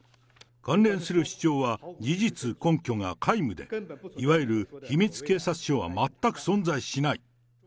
関連する主張は事実根拠が皆無で、いわゆる秘密警察署は全く存在しない。